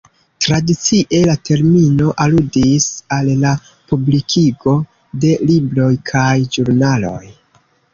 Tradicie la termino aludis al la publikigo de libroj kaj ĵurnaloj.